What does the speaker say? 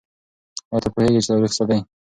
آیا ته پوهېږې چې تاریخ څه دی؟